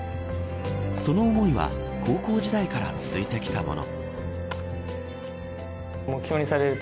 その思いは高校時代から続いてきたもの。